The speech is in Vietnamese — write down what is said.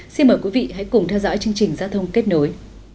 xin mời quý vị hãy cùng theo dõi chương trình giao thông kết nối